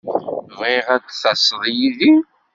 Bɣiɣ ad d-taseḍ yid-i.